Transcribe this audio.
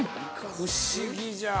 ◆不思議じゃ。